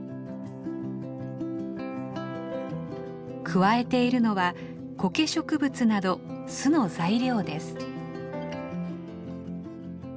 くわえているのはコケ植物など巣の材料です。